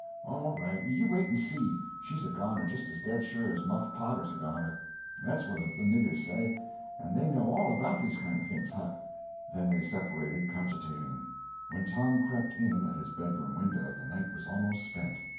"All right, you wait and see. She's a goner, just as dead sure as Muff Potter's a goner. That's what the niggers say, and they know all about these kind of things, Huck." Then they separated, cogitating. When Tom crept in at his bedroom window the night was almost spent.